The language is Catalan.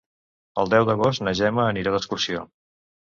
El deu d'agost na Gemma anirà d'excursió.